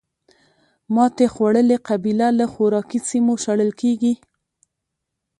ماتې خوړلې قبیله له خوراکي سیمو شړل کېږي.